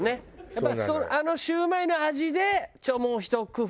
やっぱりあのシュウマイの味でもうひと工夫。